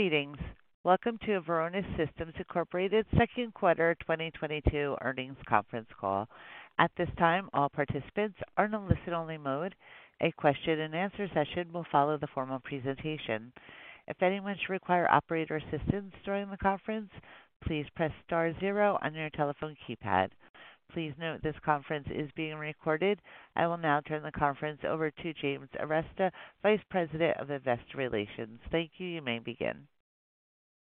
Greetings. Welcome to Varonis Systems Incorporated second quarter 2022 earnings conference call. At this time, all participants are in a listen-only mode. A question and answer session will follow the formal presentation. If anyone should require operator assistance during the conference, please press star zero on your telephone keypad. Please note this conference is being recorded. I will now turn the conference over to James Arestia, Vice President of Investor Relations. Thank you. You may begin.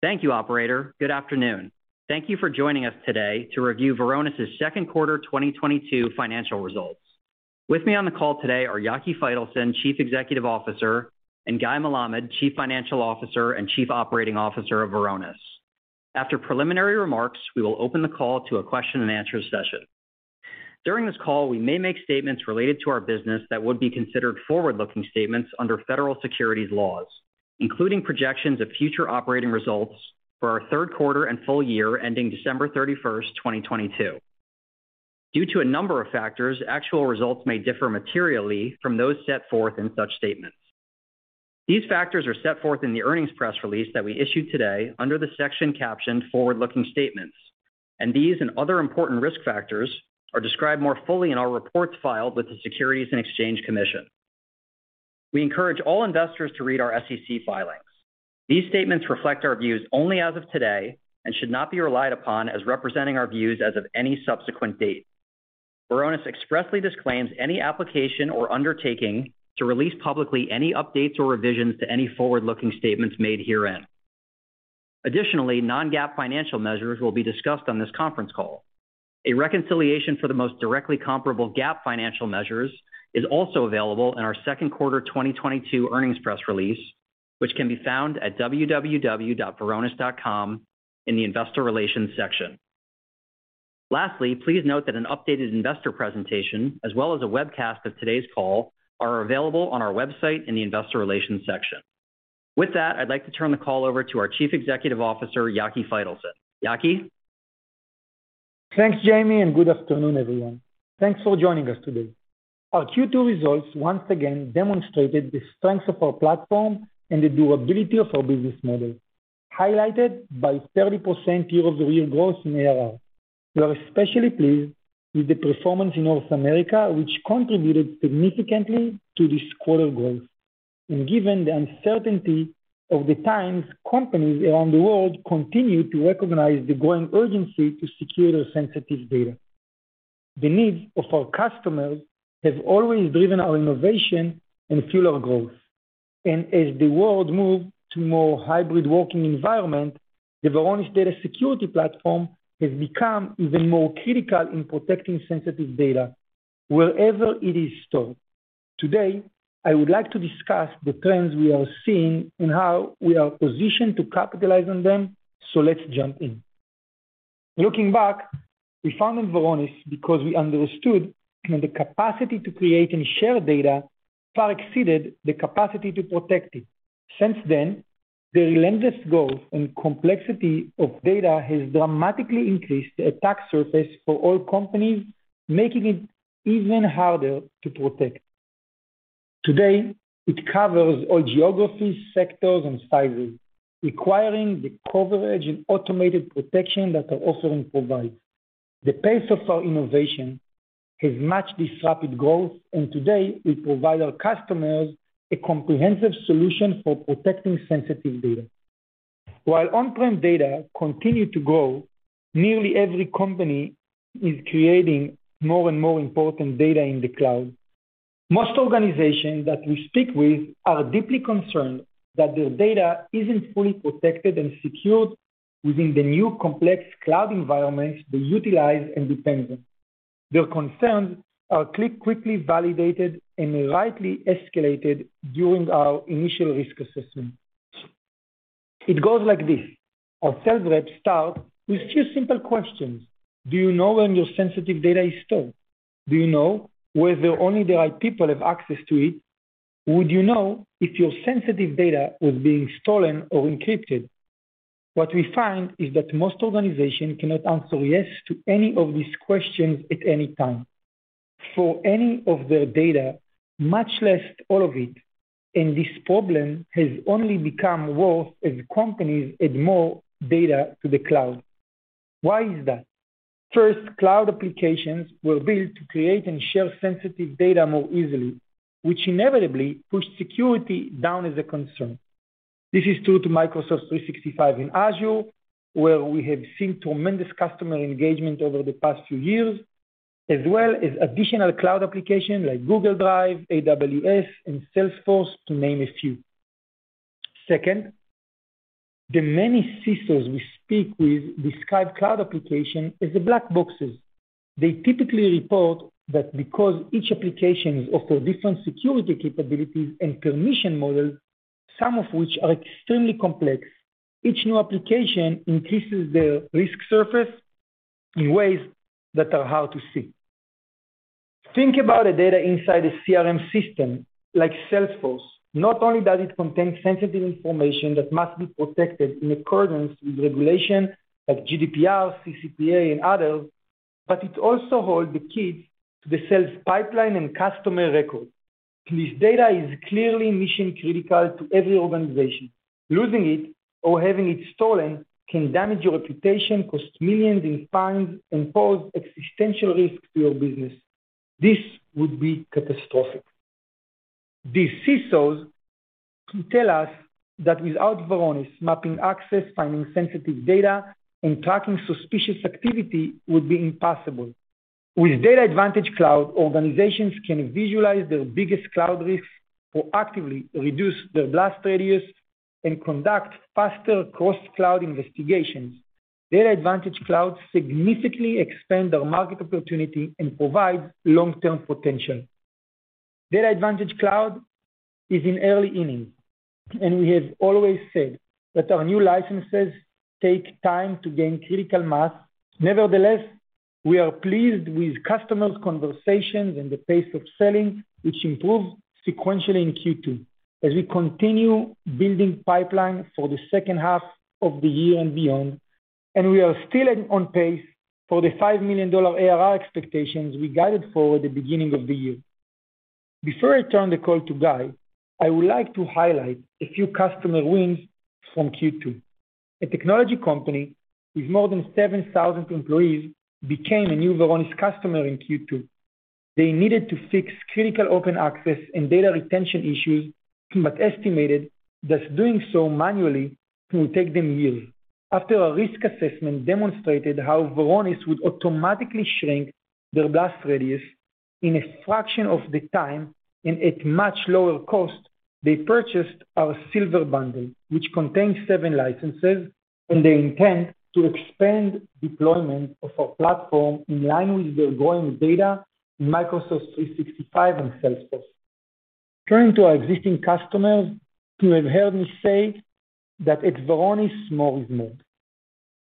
Thank you, operator. Good afternoon. Thank you for joining us today to review Varonis' second quarter 2022 financial results. With me on the call today are Yaki Faitelson, Chief Executive Officer, and Guy Melamed, Chief Financial Officer and Chief Operating Officer of Varonis. After preliminary remarks, we will open the call to a question and answer session. During this call, we may make statements related to our business that would be considered forward-looking statements under federal securities laws, including projections of future operating results for our third quarter and full year ending December 31, 2022. Due to a number of factors, actual results may differ materially from those set forth in such statements. These factors are set forth in the earnings press release that we issued today under the section captioned Forward-Looking Statements, and these and other important risk factors are described more fully in our reports filed with the Securities and Exchange Commission. We encourage all investors to read our SEC filings. These statements reflect our views only as of today and should not be relied upon as representing our views as of any subsequent date. Varonis expressly disclaims any application or undertaking to release publicly any updates or revisions to any forward-looking statements made herein. Additionally, non-GAAP financial measures will be discussed on this conference call. A reconciliation for the most directly comparable GAAP financial measures is also available in our second quarter 2022 earnings press release, which can be found at www.varonis.com in the Investor Relations section. Lastly, please note that an updated investor presentation as well as a webcast of today's call are available on our website in the Investor Relations section. With that, I'd like to turn the call over to our Chief Executive Officer, Yaki Faitelson. Yaki. Thanks, Jamie, and good afternoon, everyone. Thanks for joining us today. Our Q2 results once again demonstrated the strength of our platform and the durability of our business model, highlighted by 30% year-over-year growth in ARR. We are especially pleased with the performance in North America, which contributed significantly to this quarter growth. Given the uncertainty of the times, companies around the world continue to recognize the growing urgency to secure their sensitive data. The needs of our customers have always driven our innovation and fuel our growth. As the world move to more hybrid working environment, the Varonis Data Security Platform has become even more critical in protecting sensitive data wherever it is stored. Today, I would like to discuss the trends we are seeing and how we are positioned to capitalize on them. Let's jump in. Looking back, we founded Varonis because we understood that the capacity to create and share data far exceeded the capacity to protect it. Since then, the relentless growth and complexity of data has dramatically increased the attack surface for all companies, making it even harder to protect. Today, it covers all geographies, sectors, and sizes, requiring the coverage and automated protection that our offering provides. The pace of our innovation has matched this rapid growth, and today we provide our customers a comprehensive solution for protecting sensitive data. While on-prem data continue to grow, nearly every company is creating more and more important data in the cloud. Most organizations that we speak with are deeply concerned that their data isn't fully protected and secured within the new complex cloud environments they utilize and depend on. Their concerns are quickly validated and rightly escalated during our initial risk assessment. It goes like this. Our sales reps start with two simple questions. Do you know where your sensitive data is stored? Do you know whether only the right people have access to it? Would you know if your sensitive data was being stolen or encrypted? What we find is that most organizations cannot answer yes to any of these questions at any time for any of their data, much less all of it. This problem has only become worse as companies add more data to the cloud. Why is that? First, cloud applications were built to create and share sensitive data more easily, which inevitably pushed security down as a concern. This is true to Microsoft 365 and Azure, where we have seen tremendous customer engagement over the past few years, as well as additional cloud applications like Google Drive, AWS, and Salesforce, to name a few. Second, the many CISOs we speak with describe cloud applications as the black boxes. They typically report that because each application offers different security capabilities and permission models, some of which are extremely complex, each new application increases their risk surface in ways that are hard to see. Think about the data inside a CRM system like Salesforce. Not only does it contain sensitive information that must be protected in accordance with regulations like GDPR, CCPA, and others, but it also holds the keys to the sales pipeline and customer records. This data is clearly mission-critical to every organization. Losing it or having it stolen can damage your reputation, cost millions in fines, and pose existential risk to your business. This would be catastrophic. These CISOs tell us that without Varonis, mapping access, finding sensitive data, and tracking suspicious activity would be impossible. With DatAdvantage Cloud, organizations can visualize their biggest cloud risks, proactively reduce their blast radius, and conduct faster cross-cloud investigations. DatAdvantage Cloud significantly expands our market opportunity and provides long-term potential. DatAdvantage Cloud is in early innings, and we have always said that our new licenses take time to gain critical mass. Nevertheless, we are pleased with customer conversations and the pace of selling, which improved sequentially in Q2 as we continue building pipeline for the second half of the year and beyond. We are still on pace for the $5 million ARR expectations we guided for at the beginning of the year. Before I turn the call to Guy, I would like to highlight a few customer wins from Q2. A technology company with more than 7,000 employees became a new Varonis customer in Q2. They needed to fix critical open access and data retention issues, but estimated that doing so manually will take them years. After a risk assessment demonstrated how Varonis would automatically shrink their blast radius in a fraction of the time and at much lower cost, they purchased our Silver Bundle, which contains seven licenses, and they intend to expand deployment of our platform in line with their growing data in Microsoft 365 and Salesforce. Turning to our existing customers, you have heard me say that at Varonis, more is more.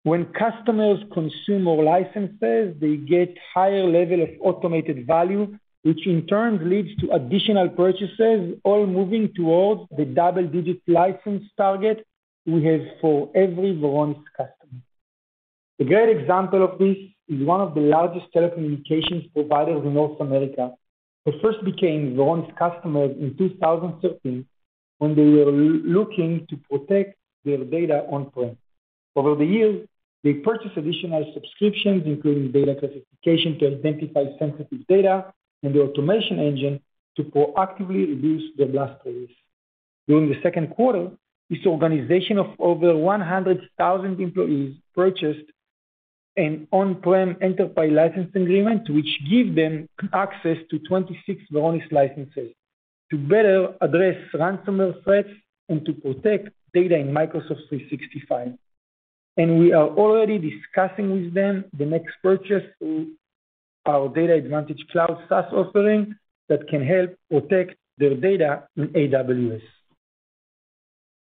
When customers consume more licenses, they get higher level of automated value, which in turn leads to additional purchases, all moving towards the double-digit license target we have for every Varonis customer. A great example of this is one of the largest telecommunications providers in North America, who first became Varonis customer in 2013 when they were looking to protect their data on-prem. Over the years, they purchased additional subscriptions, including data classification, to identify sensitive data and the Automation Engine to proactively reduce their blast radius. During the second quarter, this organization of over 100,000 employees purchased an on-prem enterprise license agreement, which gives them access to 26 Varonis licenses to better address ransomware threats and to protect data in Microsoft 365. We are already discussing with them the next purchase, our DatAdvantage Cloud SaaS offering that can help protect their data in AWS.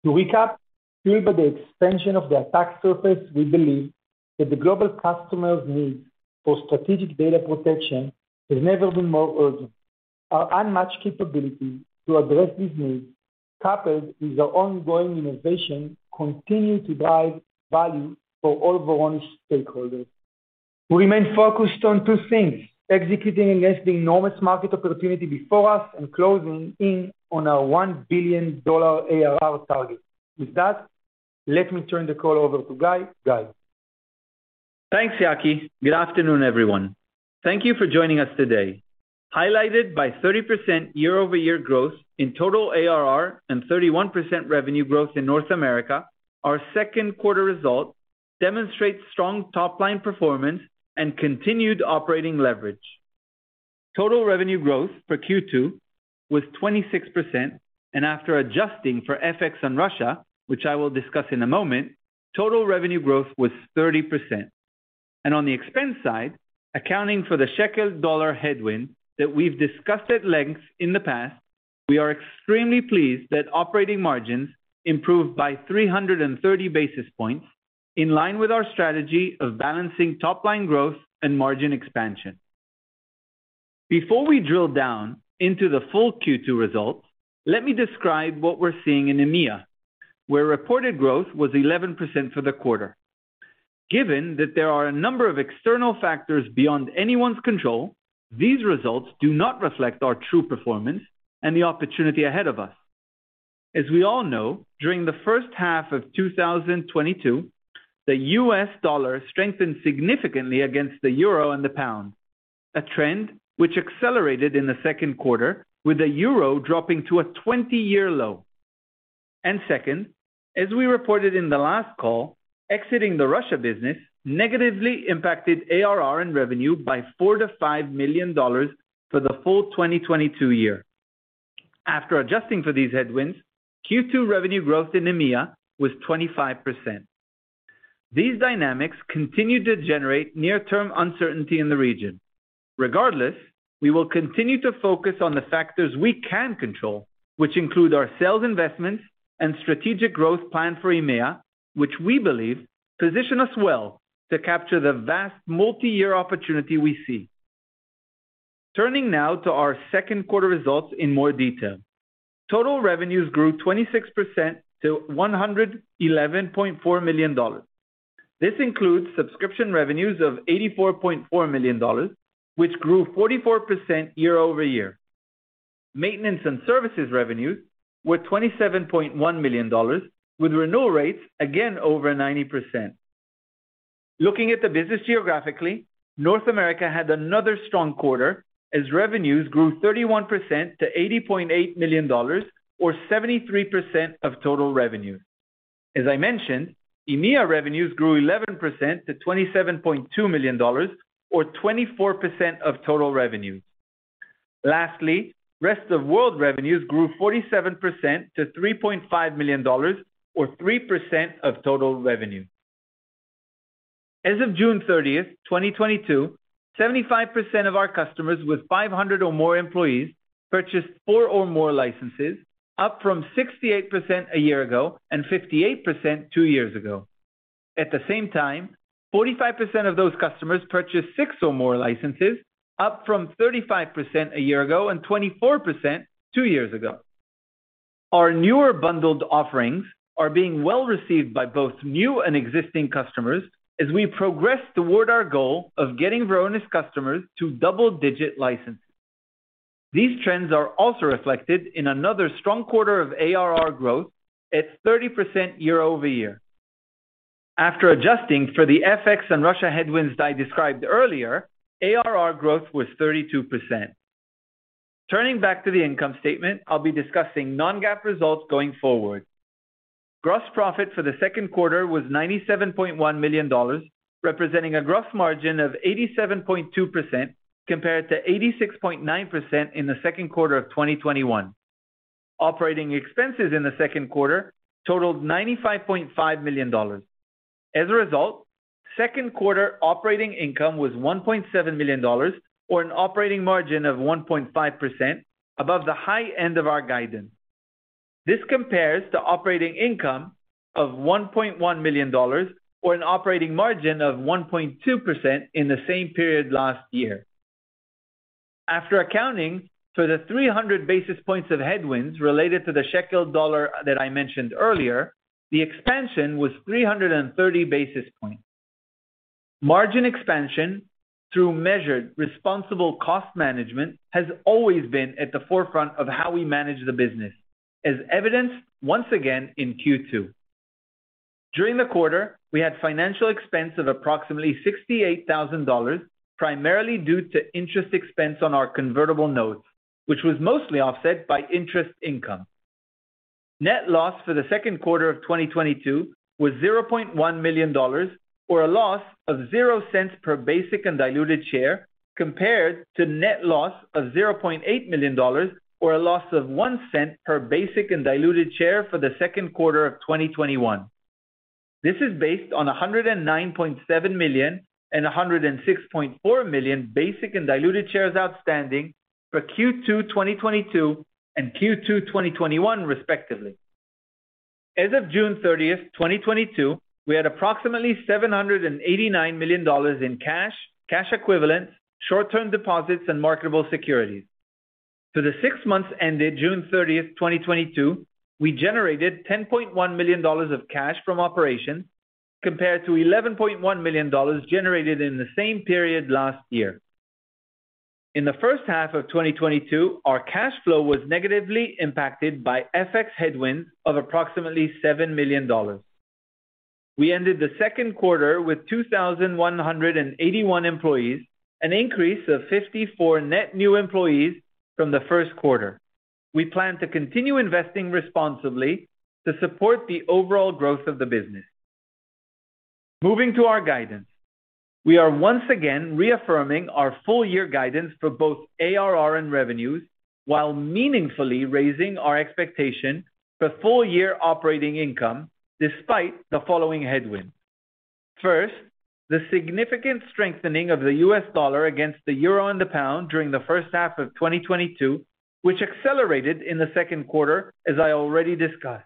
To recap, fueled by the expansion of the attack surface, we believe that the global customer's need for strategic data protection has never been more urgent. Our unmatched capability to address this need, coupled with our ongoing innovation, continue to drive value for all Varonis stakeholders. We remain focused on two things, executing against the enormous market opportunity before us and closing in on our $1 billion ARR target. With that, let me turn the call over to Guy. Guy? Thanks, Yaki. Good afternoon, everyone. Thank you for joining us today. Highlighted by 30% year-over-year growth in total ARR and 31% revenue growth in North America, our second quarter results demonstrate strong top-line performance and continued operating leverage. Total revenue growth for Q2 was 26%, and after adjusting for FX and Russia, which I will discuss in a moment, total revenue growth was 30%. On the expense side, accounting for the shekel-dollar headwind that we've discussed at length in the past, we are extremely pleased that operating margins improved by 330 basis points in line with our strategy of balancing top-line growth and margin expansion. Before we drill down into the full Q2 results, let me describe what we're seeing in EMEA, where reported growth was 11% for the quarter. Given that there are a number of external factors beyond anyone's control, these results do not reflect our true performance and the opportunity ahead of us. As we all know, during the first half of 2022, the US dollar strengthened significantly against the EUR and the GBP, a trend which accelerated in the second quarter with the EUR dropping to a 20-year low. Second, as we reported in the last call, exiting the Russia business negatively impacted ARR and revenue by $4 million-$5 million for the full 2022 year. After adjusting for these headwinds, Q2 revenue growth in EMEA was 25%. These dynamics continue to generate near-term uncertainty in the region. Regardless, we will continue to focus on the factors we can control, which include our sales investments and strategic growth plan for EMEA, which we believe position us well to capture the vast multi-year opportunity we see. Turning now to our second quarter results in more detail. Total revenues grew 26% to $111.4 million. This includes subscription revenues of $84.4 million, which grew 44% year-over-year. Maintenance and services revenues were $27.1 million with renewal rates again over 90%. Looking at the business geographically, North America had another strong quarter as revenues grew 31% to $80.8 million or 73% of total revenues. As I mentioned, EMEA revenues grew 11% to $27.2 million or 24% of total revenue. Lastly, rest of world revenues grew 47% to $3.5 million or 3% of total revenue. As of June 30, 2022, 75% of our customers with 500 or more employees purchased four or more licenses, up from 68% a year ago and 58% two years ago. At the same time, 45% of those customers purchased six or more licenses, up from 35% a year ago and 24% two years ago. Our newer bundled offerings are being well-received by both new and existing customers as we progress toward our goal of getting Varonis customers to double-digit licenses. These trends are also reflected in another strong quarter of ARR growth at 30% year-over-year. After adjusting for the FX and Russia headwinds that I described earlier, ARR growth was 32%. Turning back to the income statement, I'll be discussing non-GAAP results going forward. Gross profit for the second quarter was $97.1 million, representing a gross margin of 87.2% compared to 86.9% in the second quarter of 2021. Operating expenses in the second quarter totaled $95.5 million. As a result, second quarter operating income was $1.7 million or an operating margin of 1.5% above the high end of our guidance. This compares to operating income of $1.1 million or an operating margin of 1.2% in the same period last year. After accounting for the 300 basis points of headwinds related to the shekel-dollar that I mentioned earlier, the expansion was 330 basis points. Margin expansion through measured responsible cost management has always been at the forefront of how we manage the business, as evidenced once again in Q2. During the quarter, we had financial expense of approximately $68,000, primarily due to interest expense on our convertible notes, which was mostly offset by interest income. Net loss for the second quarter of 2022 was $0.1 million or a loss of $0.00 per basic and diluted share compared to net loss of $0.8 million or a loss of $0.01 per basic and diluted share for the second quarter of 2021. This is based on $109.7 million and $106.4 million basic and diluted shares outstanding for Q2 2022 and Q2 2021 respectively. As of June 30, 2022, we had approximately $789 million in cash equivalents, short-term deposits, and marketable securities. For the six months ended June 30, 2022, we generated $10.1 million of cash from operations compared to $11.1 million generated in the same period last year. In the first half of 2022, our cash flow was negatively impacted by FX headwinds of approximately $7 million. We ended the second quarter with 2,181 employees, an increase of 54 net new employees from the first quarter. We plan to continue investing responsibly to support the overall growth of the business. Moving to our guidance, we are once again reaffirming our full year guidance for both ARR and revenues while meaningfully raising our expectation for full year operating income despite the following headwinds. First, the significant strengthening of the US dollar against the EUR and the GBP during the first half of 2022, which accelerated in the second quarter, as I already discussed.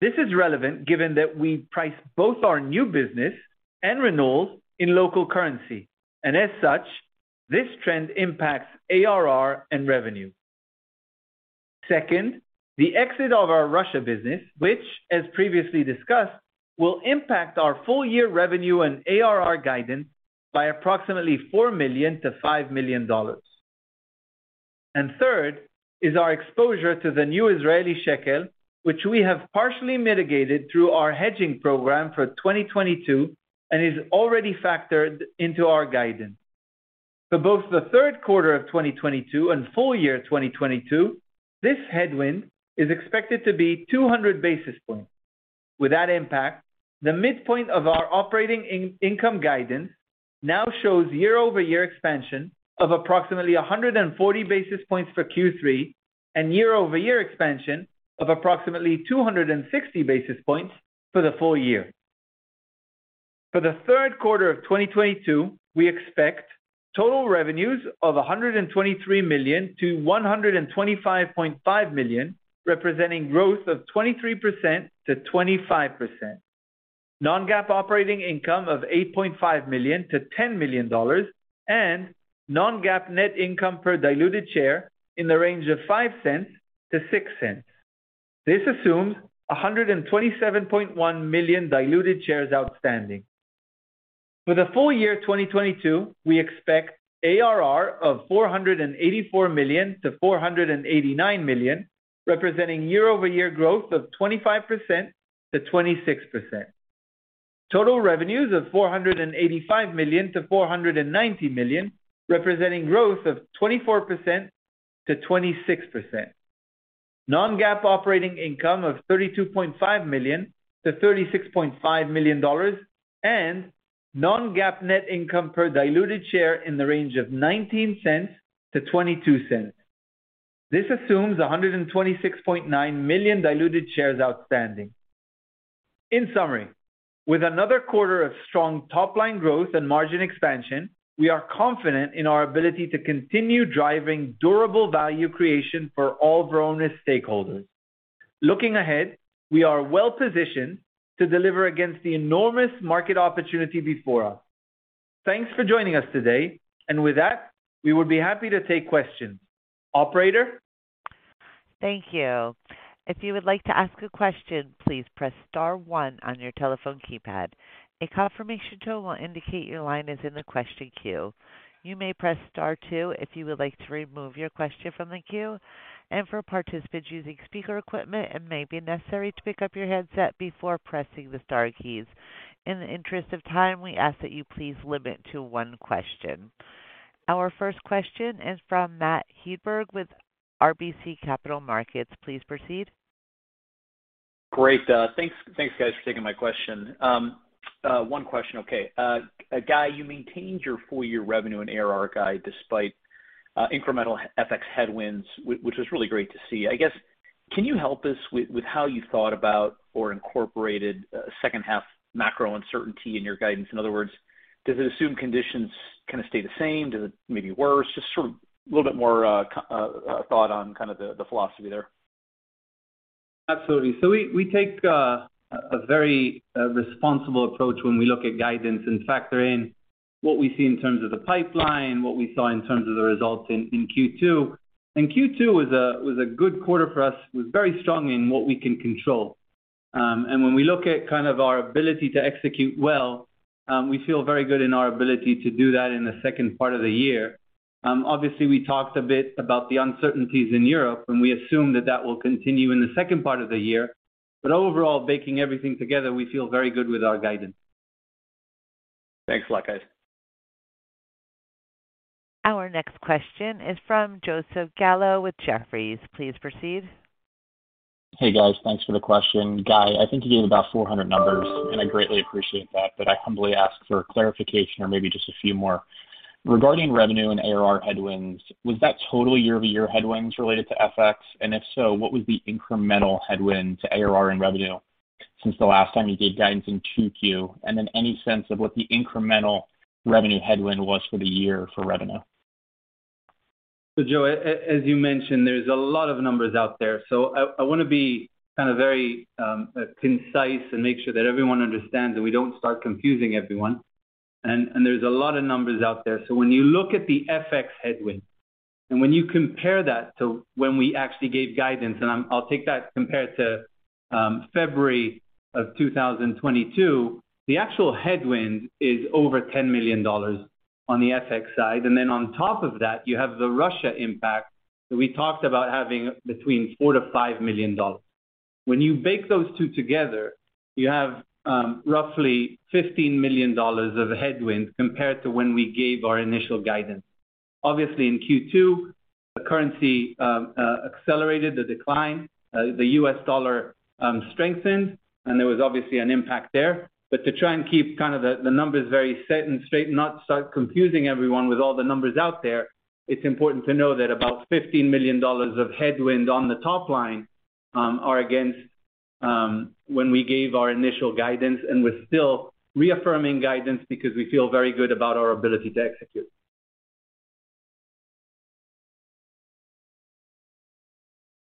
This is relevant given that we price both our new business and renewals in local currency, and as such, this trend impacts ARR and revenue. Second, the exit of our Russia business, which, as previously discussed, will impact our full year revenue and ARR guidance by approximately $4 million-$5 million. Third is our exposure to the new ILS, which we have partially mitigated through our hedging program for 2022 and is already factored into our guidance. For both the third quarter of 2022 and full year 2022, this headwind is expected to be 200 basis points. With that impact, the midpoint of our operating income guidance now shows year-over-year expansion of approximately 140 basis points for Q3 and year-over-year expansion of approximately 260 basis points for the full year. For the third quarter of 2022, we expect total revenues of $123 million-$125.5 million, representing growth of 23%-25%. Non-GAAP operating income of $8.5 million-$10 million and non-GAAP net income per diluted share in the range of $0.05-$0.06. This assumes 127.1 million diluted shares outstanding. For the full year 2022, we expect ARR of $484 million-$489 million, representing year-over-year growth of 25%-26%. Total revenues of $485 million-$490 million, representing growth of 24%-26%. non-GAAP operating income of $32.5 million-$36.5 million and non-GAAP net income per diluted share in the range of $0.19 to $0.22. This assumes 126.9 million diluted shares outstanding. In summary, with another quarter of strong top-line growth and margin expansion, we are confident in our ability to continue driving durable value creation for all Varonis stakeholders. Looking ahead, we are well-positioned to deliver against the enormous market opportunity before us. Thanks for joining us today. With that, we would be happy to take questions. Operator? Thank you. If you would like to ask a question, please press star one on your telephone keypad. A confirmation tone will indicate your line is in the question queue. You may press star two if you would like to remove your question from the queue. For participants using speaker equipment, it may be necessary to pick up your headset before pressing the star keys. In the interest of time, we ask that you please limit to one question. Our first question is from Matt Hedberg with RBC Capital Markets. Please proceed. Great. Thanks, guys for taking my question. One question. Guy, you maintained your full year revenue and ARR guide despite incremental FX headwinds, which was really great to see. I guess, can you help us with how you thought about or incorporated second half macro uncertainty in your guidance? In other words, does it assume conditions kind of stay the same? Do they maybe worse? Just sort of a little bit more thought on kind of the philosophy there. Absolutely. We take a very responsible approach when we look at guidance and factor in what we see in terms of the pipeline, what we saw in terms of the results in Q2. Q2 was a good quarter for us. It was very strong in what we can control. When we look at kind of our ability to execute well, we feel very good in our ability to do that in the second part of the year. Obviously, we talked a bit about the uncertainties in Europe, and we assume that will continue in the second part of the year. Overall, baking everything together, we feel very good with our guidance. Thanks a lot, guys. Our next question is from Joseph Gallo with Jefferies. Please proceed. Hey, guys. Thanks for the question. Guy, I think you gave about 400 numbers, and I greatly appreciate that, but I humbly ask for clarification or maybe just a few more. Regarding revenue and ARR headwinds, was that total year-over-year headwinds related to FX? If so, what was the incremental headwind to ARR and revenue since the last time you gave guidance in 2Q? Any sense of what the incremental revenue headwind was for the year for revenue? Joe, as you mentioned, there's a lot of numbers out there. I wanna be kind of very concise and make sure that everyone understands and we don't start confusing everyone. There's a lot of numbers out there. When you look at the FX headwind, and when you compare that to when we actually gave guidance, I'll take that compared to February of 2022, the actual headwind is over $10 million on the FX side. On top of that, you have the Russia impact that we talked about having between $4 million-$5 million. When you bake those two together, you have roughly $15 million of headwinds compared to when we gave our initial guidance. Obviously, in Q2, the currency accelerated the decline, the US dollar strengthened, and there was obviously an impact there. To try and keep kind of the numbers very set and straight, not start confusing everyone with all the numbers out there, it's important to know that about $15 million of headwind on the top line are against when we gave our initial guidance and we're still reaffirming guidance because we feel very good about our ability to execute.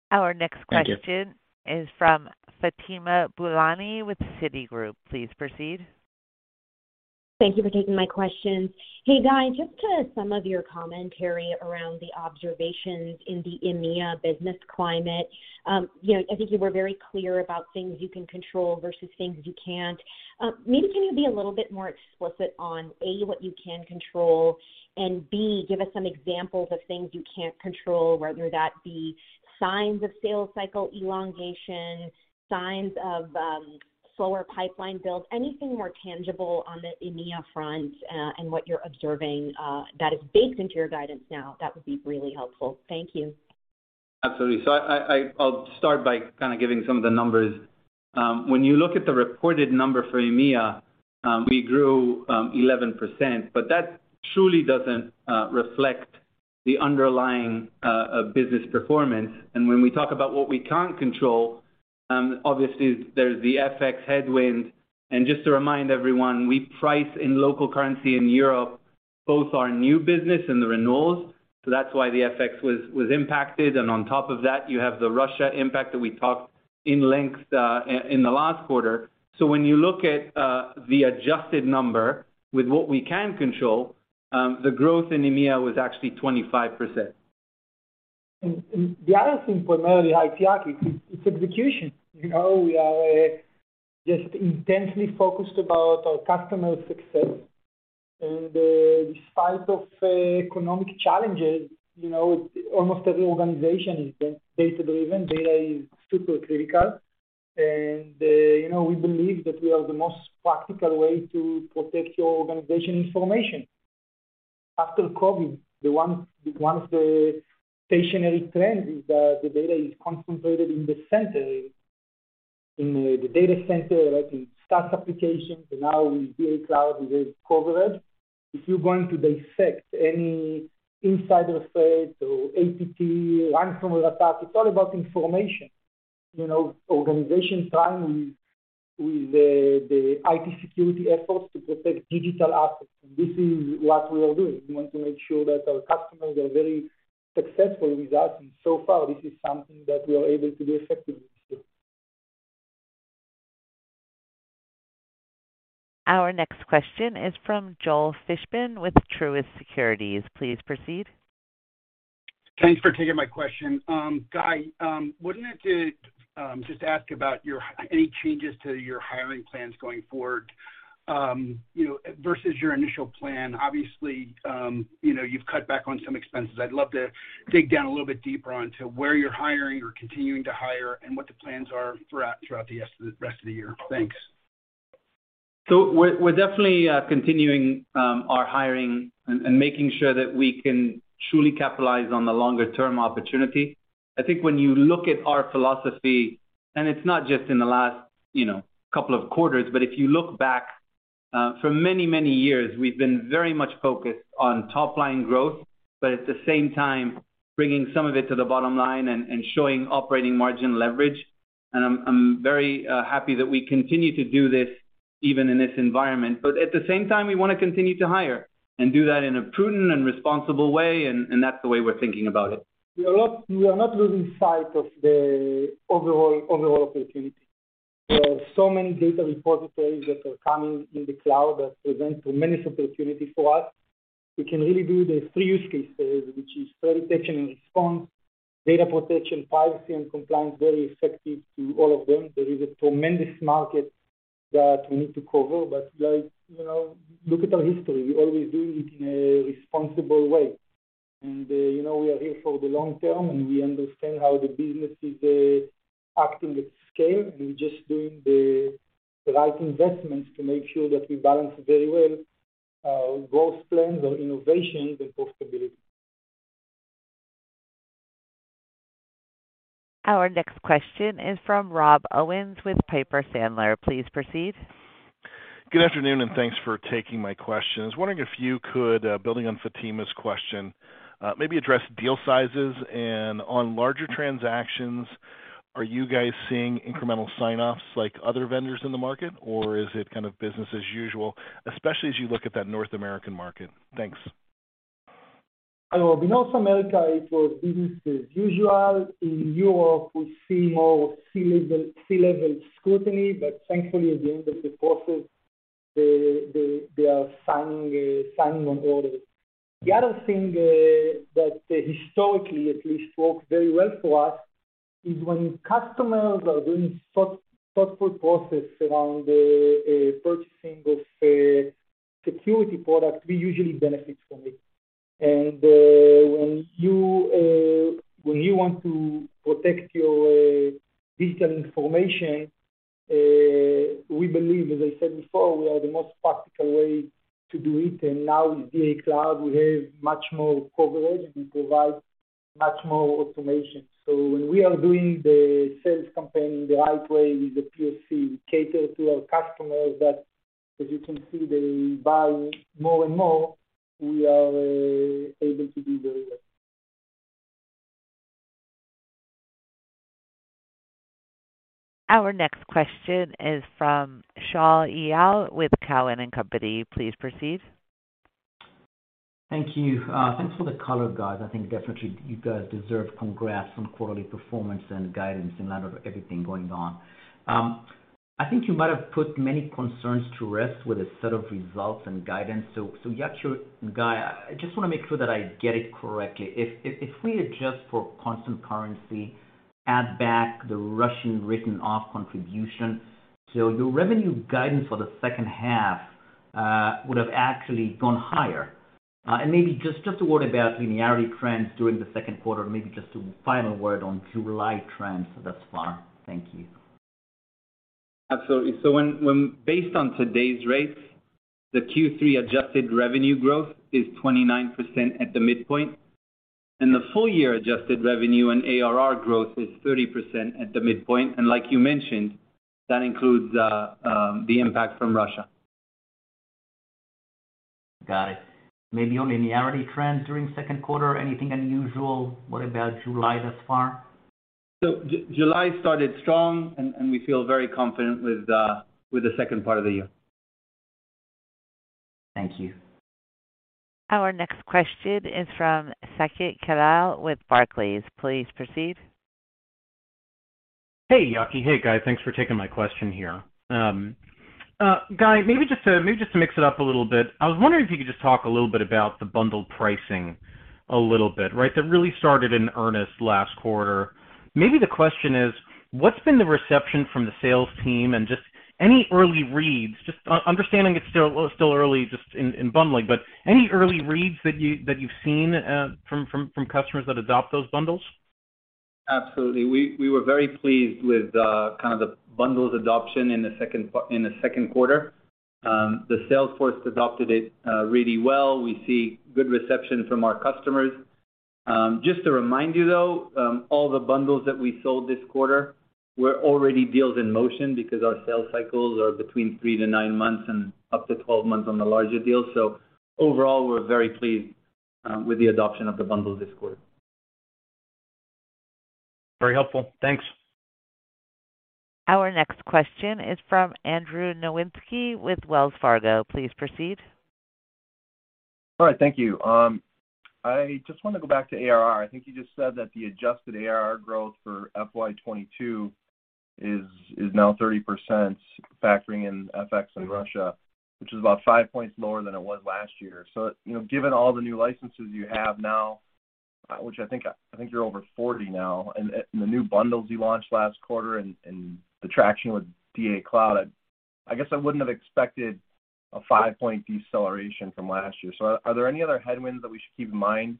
Thank you. Our next question is from Fatima Boolani with Citigroup. Please proceed. Thank you for taking my question. Hey, Guy, just to some of your commentary around the observations in the EMEA business climate, you know, I think you were very clear about things you can control versus things you can't. Maybe can you be a little bit more explicit on, A, what you can control, and B, give us some examples of things you can't control, whether that be signs of sales cycle elongation, signs of slower pipeline build, anything more tangible on the EMEA front, and what you're observing, that is baked into your guidance now. That would be really helpful. Thank you. Absolutely. I'll start by kind of giving some of the numbers. When you look at the reported number for EMEA, we grew 11%, but that truly doesn't reflect the underlying business performance. When we talk about what we can't control, obviously there's the FX headwind. Just to remind everyone, we price in local currency in Europe, both our new business and the renewals. That's why the FX was impacted. On top of that, you have the Russia impact that we talked in length in the last quarter. When you look at the adjusted number with what we can control, the growth in EMEA was actually 25%. The other thing primarily, Hi It's Yaki, it's execution. You know, we are just intensely focused about our customer success. Despite of economic challenges, you know, almost every organization is data-driven. Data is super critical. We believe that we are the most practical way to protect your organization information. After COVID, one of the staying trend is that the data is concentrated in the center, in the data center, like in SaaS applications, and now with Varonis cloud, with coverage. If you're going to dissect any insider threat or APT ransomware attack, it's all about information. You know, organization time with the IT security efforts to protect digital assets, and this is what we are doing. We want to make sure that our customers are very successful with us. So far, this is something that we are able to do effectively. Our next question is from Joel Fishbein with Truist Securities. Please proceed. Thanks for taking my question. Guy, wanted to just ask about any changes to your hiring plans going forward, you know, versus your initial plan. Obviously, you know, you've cut back on some expenses. I'd love to dig down a little bit deeper onto where you're hiring or continuing to hire and what the plans are throughout the rest of the year. Thanks. We're definitely continuing our hiring and making sure that we can truly capitalize on the longer term opportunity. I think when you look at our philosophy, and it's not just in the last, you know, couple of quarters, but if you look back, for many, many years, we've been very much focused on top-line growth, but at the same time, bringing some of it to the bottom line and showing operating margin leverage. I'm very happy that we continue to do this even in this environment. At the same time, we want to continue to hire and do that in a prudent and responsible way, and that's the way we're thinking about it. We are not losing sight of the overall opportunity. There are so many data repositories that are coming in the cloud that present tremendous opportunity for us. We can really do the three use cases, which is threat detection and response, data protection, privacy, and compliance, very effective to all of them. There is a tremendous market that we need to cover. Like, you know, look at our history, we're always doing it in a responsible way. You know, we are here for the long term, and we understand how the business is acting at scale, and we're just doing the right investments to make sure that we balance it very well, growth plans or innovations and profitability. Our next question is from Rob Owens with Piper Sandler. Please proceed. Good afternoon, and thanks for taking my questions. Wondering if you could, building on Fatima's question, maybe address deal sizes and on larger transactions, are you guys seeing incremental sign-offs like other vendors in the market, or is it kind of business as usual, especially as you look at that North American market? Thanks. In North America, it was business as usual. In Europe, we see more C-level scrutiny, but thankfully, at the end of the process, they are signing on orders. The other thing that historically at least worked very well for us is when customers are doing thoughtful process around purchasing of a security product, we usually benefit from it. When you want to protect your digital information, we believe, as I said before, we are the most practical way to do it. Now with DA Cloud, we have much more coverage. We provide much more automation. When we are doing the sales campaign in the right way with the POC, we cater to our customers that, as you can see, they buy more and more, we are able to do very well. Our next question is from Shaul Eyal with Cowen and Company. Please proceed. Thank you. Thanks for the color, guys. I think definitely you guys deserve congrats on quarterly performance and guidance in light of everything going on. I think you might have put many concerns to rest with a set of results and guidance. Yaki and Guy, I just want to make sure that I get it correctly. If we adjust for constant currency, add back the Russian writen-off contribution. Your revenue guidance for the second half would have actually gone higher. Maybe just a word about linearity trends during the second quarter, maybe just a final word on July trends thus far. Thank you. Absolutely. Based on today's rates, the Q3 adjusted revenue growth is 29% at the midpoint, and the full-year adjusted revenue and ARR growth is 30% at the midpoint. Like you mentioned, that includes the impact from Russia. Got it. Maybe on linearity trends during second quarter, anything unusual? What about July thus far? July started strong and we feel very confident with the second part of the year. Thank you. Our next question is from Saket Kalia with Barclays. Please proceed. Hey, Yaki. Hey, Guy. Thanks for taking my question here. Guy, maybe just to mix it up a little bit, I was wondering if you could just talk a little bit about the bundled pricing a little bit, right? That really started in earnest last quarter. Maybe the question is what's been the reception from the sales team and just any early reads. Just understanding it's still early just in bundling, but any early reads that you've seen from customers that adopt those bundles? Absolutely. We were very pleased with kind of the bundles adoption in the second quarter. The sales force adopted it really well. We see good reception from our customers. Just to remind you though, all the bundles that we sold this quarter were already deals in motion because our sales cycles are between three to nine months and up to 12 months on the larger deals. Overall, we're very pleased with the adoption of the bundle this quarter. Very helpful. Thanks. Our next question is from Andrew Nowinski with Wells Fargo. Please proceed. All right. Thank you. I just wanna go back to ARR. I think you just said that the adjusted ARR growth for FY 22 is now 30% factoring in FX in Russia, which is about 5-point lower than it was last year. You know, given all the new licenses you have now, which I think you're over 40 now, and the new bundles you launched last quarter and the traction with DA Cloud, I guess I wouldn't have expected a 5-point deceleration from last year. Are there any other headwinds that we should keep in mind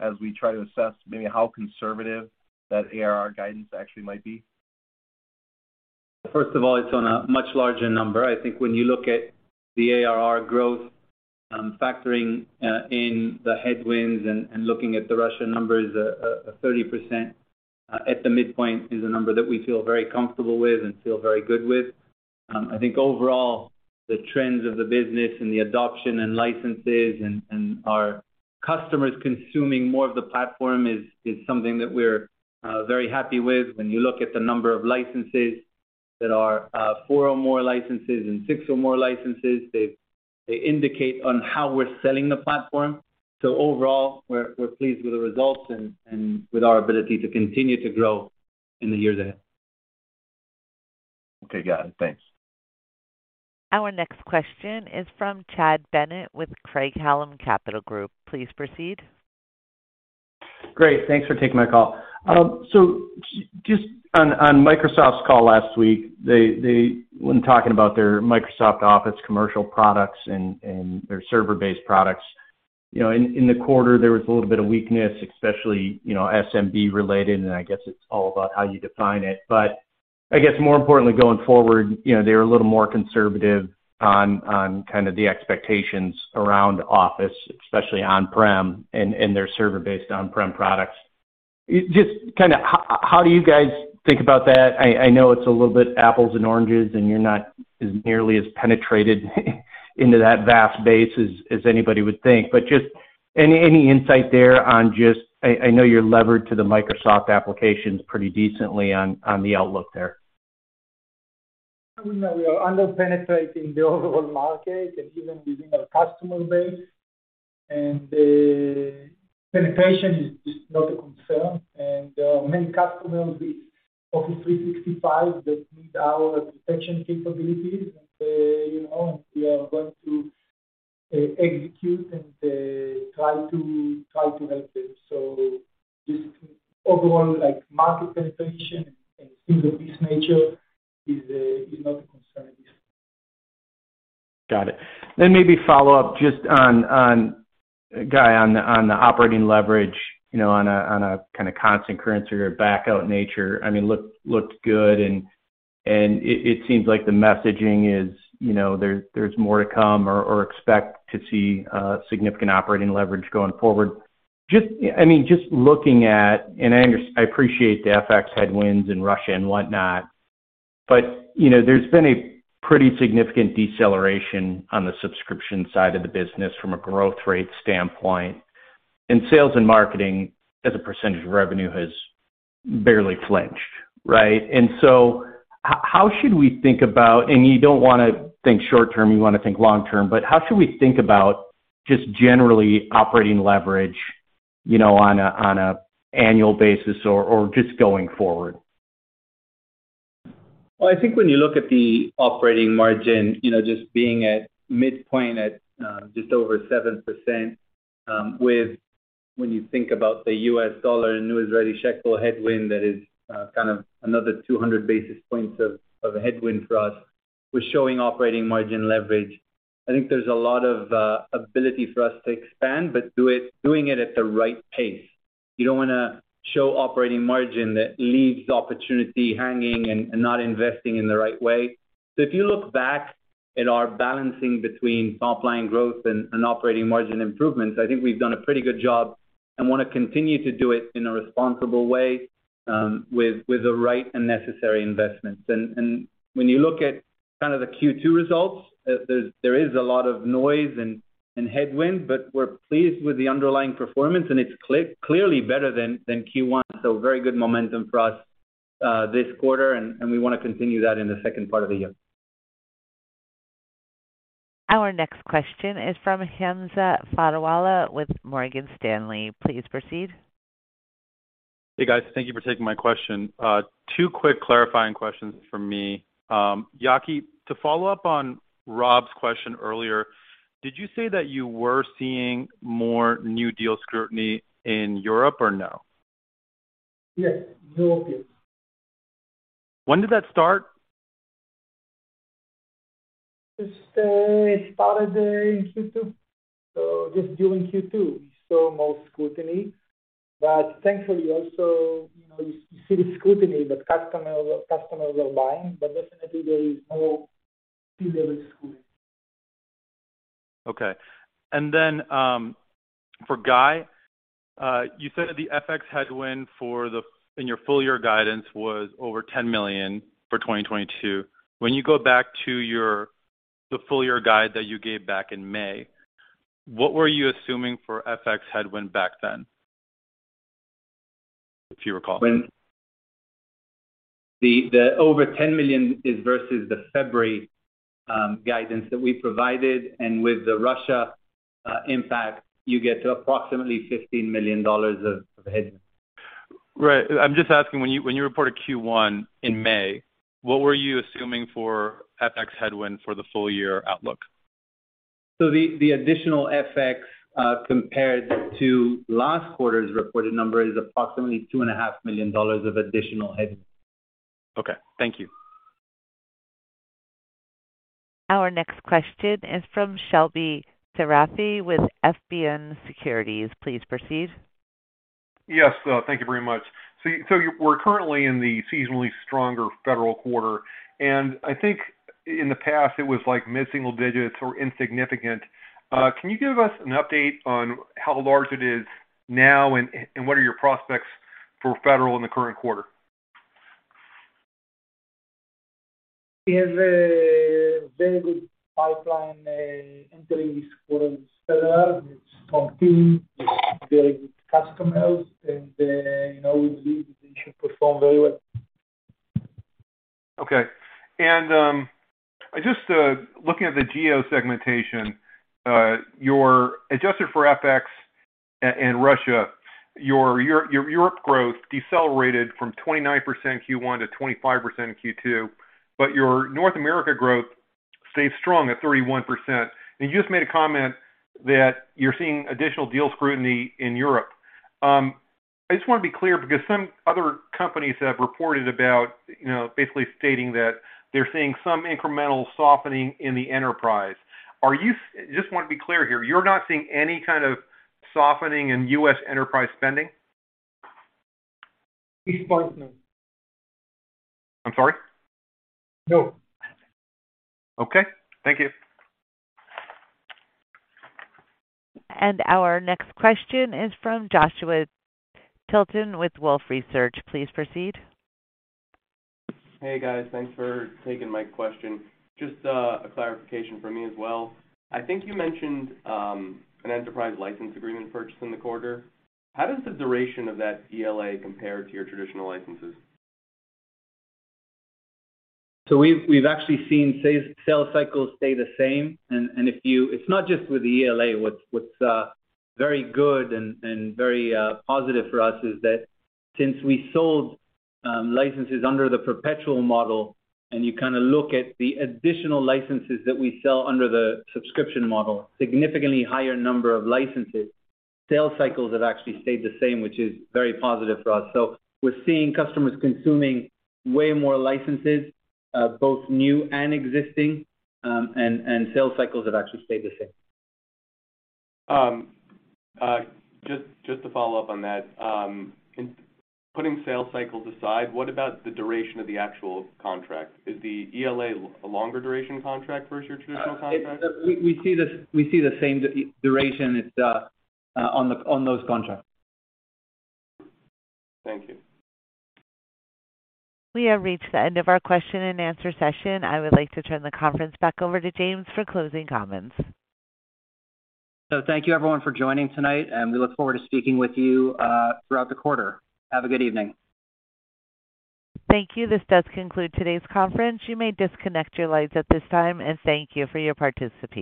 as we try to assess maybe how conservative that ARR guidance actually might be? First of all, it's on a much larger number. I think when you look at the ARR growth, factoring in the headwinds and looking at the Russia numbers, a 30% at the midpoint is a number that we feel very comfortable with and feel very good with. I think overall, the trends of the business and the adoption and licenses and our customers consuming more of the platform is something that we're very happy with. When you look at the number of licenses that are four or more licenses and six or more licenses, they indicate how we're selling the platform. Overall, we're pleased with the results and with our ability to continue to grow in the years ahead. Okay, got it. Thanks. Our next question is from Chad Bennett with Craig-Hallum Capital Group. Please proceed. Great. Thanks for taking my call. So just on Microsoft's call last week, when talking about their Microsoft Office commercial products and their server-based products, you know, in the quarter, there was a little bit of weakness, especially, you know, SMB related, and I guess it's all about how you define it. But I guess more importantly going forward, you know, they were a little more conservative on kind of the expectations around Office, especially on-prem and their server-based on-prem products. Just kinda how do you guys think about that? I know it's a little bit apples and oranges, and you're not as nearly as penetrated into that vast base as anybody would think. But just any insight there on just, I know you're levered to the Microsoft applications pretty decently on the outlook there. We know we are under-penetrating the overall market and even within our customer base, and the penetration is not a concern. Many customers with Office 365 that need our protection capabilities, and you know, we are going to execute and try to help them. Just overall, like market penetration and things of this nature is not a concern. Got it. Maybe follow up just on Guy, on the operating leverage, you know, on a kinda constant currency or back out nature. I mean, looked good and it seems like the messaging is, you know, there's more to come or expect to see significant operating leverage going forward. I mean, just looking at, I appreciate the FX headwinds in Russia and whatnot, but, you know, there's been a pretty significant deceleration on the subscription side of the business from a growth rate standpoint. Sales and marketing as a percentage of revenue has barely flinched, right? How should we think about, and you don't wanna think short term, you wanna think long term, but how should we think about just generally operating leverage, you know, on an annual basis or just going forward? Well, I think when you look at the operating margin, you know, just being at midpoint at just over 7%, with, when you think about the U.S. dollar, new Israeli shekel headwind, that is kind of another 200 basis points of a headwind for us. We're showing operating margin leverage. I think there's a lot of ability for us to expand, but doing it at the right pace. You don't wanna show operating margin that leaves opportunity hanging and not investing in the right way. If you look back at our balancing between top line growth and operating margin improvements, I think we've done a pretty good job and wanna continue to do it in a responsible way, with the right and necessary investments. When you look at kind of the Q2 results, there is a lot of noise and headwind, but we're pleased with the underlying performance, and it's clearly better than Q1. Very good momentum for us this quarter, and we wanna continue that in the second part of the year. Our next question is from Hamza Fodderwala with Morgan Stanley. Please proceed. Hey, guys. Thank you for taking my question. Two quick clarifying questions from me. Yaki, to follow up on Rob's question earlier, did you say that you were seeing more new deal scrutiny in Europe or no? Yes. New deals. When did that start? Just started in Q2. just during Q2 we saw more scrutiny. thankfully, also, you know, you see the scrutiny that customers are buying, but definitely there is more. For Guy, you said that the FX headwind in your full year guidance was over $10 million for 2022. When you go back to the full year guide that you gave back in May, what were you assuming for FX headwind back then? If you recall. The over $10 million is versus the February guidance that we provided, and with the Russia impact, you get to approximately $15 million of headwind. Right. I'm just asking, when you reported Q1 in May, what were you assuming for FX headwind for the full year outlook? The additional FX compared to last quarter's reported number is approximately $2.5 million of additional headwind. Okay. Thank you. Our next question is from Shebly Seyrafi with FBN Securities. Please proceed. Yes, thank you very much. We're currently in the seasonally stronger federal quarter, and I think in the past, it was like mid-single digits or insignificant. Can you give us an update on how large it is now and what are your prospects for federal in the current quarter? We have a very good pipeline entering this quarter. With some teams, with very good customers, and, you know, we believe that they should perform very well. Okay. I just looking at the geo segmentation, your adjusted for FX and Russia, your Europe growth decelerated from 29% Q1 to 25% Q2. Your North America growth stayed strong at 31%. You just made a comment that you're seeing additional deal scrutiny in Europe. I just want to be clear because some other companies have reported about, you know, basically stating that they're seeing some incremental softening in the enterprise. Just want to be clear here, you're not seeing any kind of softening in U.S. enterprise spending? Thus far, no. I'm sorry? No. Okay. Thank you. Our next question is from Joshua Tilton with Wolfe Research. Please proceed. Hey, guys. Thanks for taking my question. Just, a clarification from me as well. I think you mentioned, an enterprise license agreement purchase in the quarter. How does the duration of that ELA compare to your traditional licenses? We've actually seen sale cycles stay the same. It's not just with the ELA. What's very good and very positive for us is that since we sold licenses under the perpetual model, and you kinda look at the additional licenses that we sell under the subscription model, significantly higher number of licenses. Sales cycles have actually stayed the same, which is very positive for us. We're seeing customers consuming way more licenses, both new and existing, and sales cycles have actually stayed the same. Just to follow up on that, putting sales cycles aside, what about the duration of the actual contract? Is the ELA a longer duration contract versus your traditional contract? We see the same duration it's on those contracts. Thank you. We have reached the end of our question and answer session. I would like to turn the conference back over to James for closing comments. Thank you everyone for joining tonight, and we look forward to speaking with you throughout the quarter. Have a good evening. Thank you. This does conclude today's conference. You may disconnect your lines at this time, and thank you for your participation.